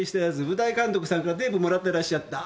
舞台監督さんからテープもらってらっしゃった。